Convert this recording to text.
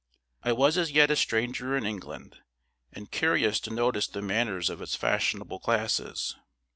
I was as yet a stranger in England, and curious to notice the manners of its fashionable classes.